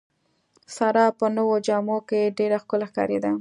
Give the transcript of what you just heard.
ساره په نوو جامو کې ډېره ښکلې ښکارېده.